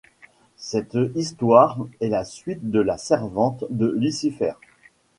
Cette histoire est la suite de La Servante de Lucifer.